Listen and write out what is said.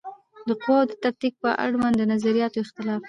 د قواوو د تفکیک په اړوند د نظریاتو اختلاف